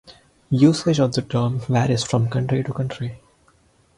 Usage of the term varies from country to country.